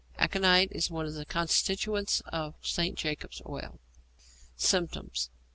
Aconite is one of the constituents of St. Jacob's Oil. _Symptoms.